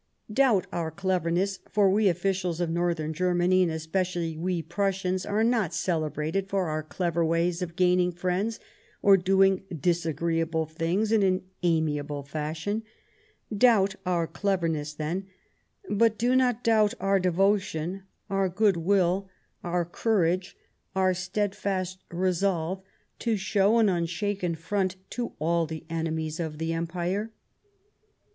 " Doubt our cleverness — for we officials of Nor thern Germany, and especially we Prussians, are not celebrated for our clever wa}^ of gaining friends or doing disagreeable things in an amiable fashion — doubt our cleverness, then, but do not doubt our devotion, our good will, our courage, our steadfast resolve to show an unshaken front to all the enemies of the Empire."